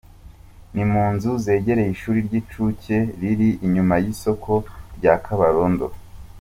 Ni mu nzu zegereye ishuri ry’incuke riri inyuma y’isoko rya Kabarondo.